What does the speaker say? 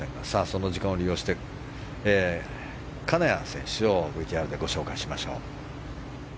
その時間を利用して金谷選手をＶＴＲでご紹介しましょう。